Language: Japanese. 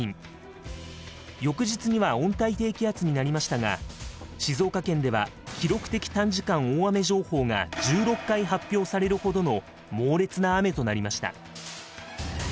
翌日には温帯低気圧になりましたが静岡県では記録的短時間大雨情報が１６回発表されるほどの猛烈な雨となりました。